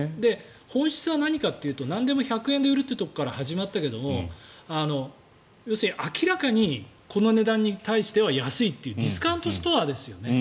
本質は何かというとなんでも１００円で売るところから始まったけど要するに明らかにこの値段に対しては安いというディスカウントストアですよね。